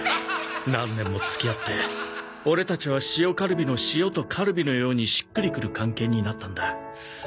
何年も付き合ってオレたちは塩カルビの塩とカルビのようにしっくりくる関係になったんだ。